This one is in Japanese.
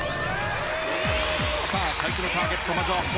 さあ最初のターゲットまずは保奈美さん。